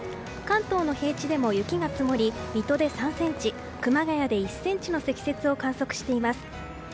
関東の平地でも雪が積もり水戸で３ｃｍ、熊谷で１ｃｍの積雪を観測しています。